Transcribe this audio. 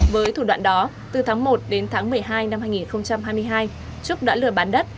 với thủ đoạn đó từ tháng một đến tháng một mươi hai năm hai nghìn hai mươi hai trúc đã lừa bán đất